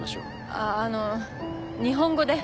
あっあのう日本語で。